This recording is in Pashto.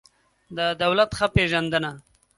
د دولت ښه پېژندنه